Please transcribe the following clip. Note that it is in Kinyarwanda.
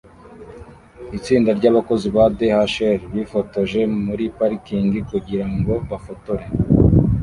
Itsinda ryabakozi ba DHL bifotoje muri parikingi kugirango bafotore